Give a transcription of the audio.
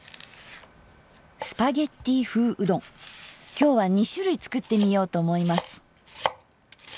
今日は２種類作ってみようと思います。